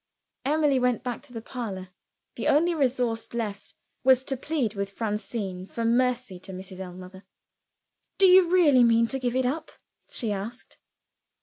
Emily went back to the parlor. The only resource left was to plead with Francine for mercy to Mrs. Ellmother. "Do you really mean to give it up?" she asked.